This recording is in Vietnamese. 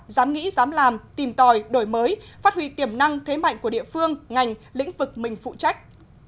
dám nghĩ dám làm tìm tòi đổi mới phát huy tiềm năng thế mạnh của địa phương ngành lĩnh vực mình phụ trách